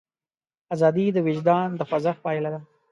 ازادي د وجدان د خوځښت پایله ده.